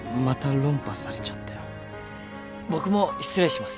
僕も失礼します。